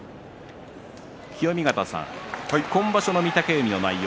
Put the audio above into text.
清見潟さん、今場所の御嶽海の内容